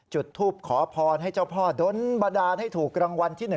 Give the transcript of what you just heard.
จุดทูปขอพรให้เจ้าพ่อดนบาดาลให้ถูกรางวัลที่๑